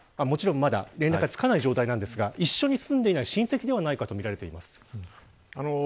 連絡が付かない状態ですが一緒に住んでいない親戚ではないかとみられています。